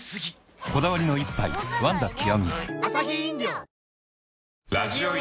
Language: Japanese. こだわりの一杯「ワンダ極」